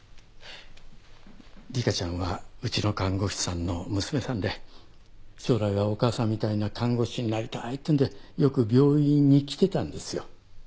理香ちゃんはうちの看護師さんの娘さんで将来はお母さんみたいな看護師になりたいっていうんでよく病院に来てたんですよ。